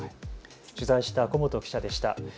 取材した古本記者でした。